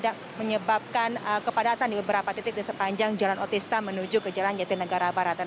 kepadatan di beberapa titik di sepanjang jalan otisa menuju ke jalan jatinegara baratan